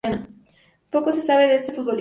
Poco se sabe de este futbolista.